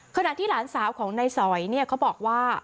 ขณะที่หลานสาวของนายสอยเนี่ยเขาบอกว่า